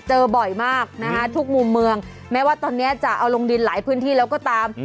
บ่อยมากนะคะทุกมุมเมืองแม้ว่าตอนนี้จะเอาลงดินหลายพื้นที่แล้วก็ตาม